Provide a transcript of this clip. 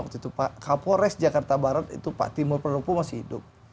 kapolres jakarta barat itu pak timur pradopo masih hidup